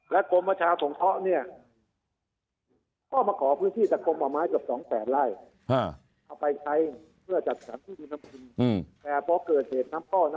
และกลมประชาชน์ของเขาเนี่ยก็มาขอพื้นที่ตัดกลมป่าม้ายสับ๒แตดนี่ไหล่